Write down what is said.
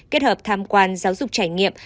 kết hợp tham quan giáo dục trải nghiệm